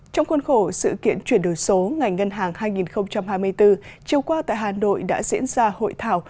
trong khuôn khổ sự kiện chuyển đổi số ngày ngân hàng hai nghìn hai mươi bốn chiều qua tại hà nội đã diễn ra hội thảo